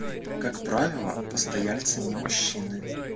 Как правило, постояльцы не мужчины.